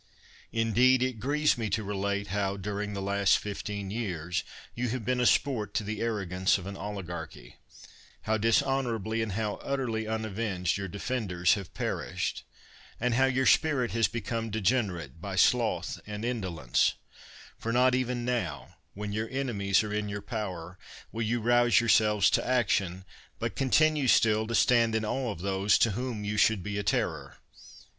Indeed, it grieves me to relate, how, during the last fifteen years, you have been a sport to the arrogance of an oligarchy; how dishonorably, and how utterly unavenged, your defenders have perished; and how your spirit has become degenerate by sloth and indolence; for not even now, when your enemies are in your power, will you rouse your selves to action, but continue still to stand in awe of those to whom you should be a terror.